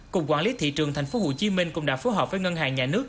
cục quản lý thị trường tp hcm cũng đã phối hợp với ngân hàng nhà nước